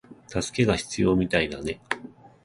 助けが必要みたいだね